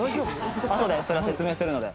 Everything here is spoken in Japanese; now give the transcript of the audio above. あとでそれは説明するので。